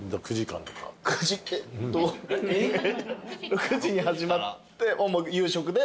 ６時に始まって夕食で。